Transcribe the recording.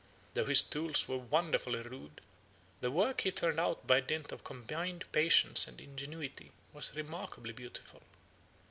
Though his tools were wonderfully rude, the work he turned out by dint of combined patience and ingenuity was remarkably beautiful.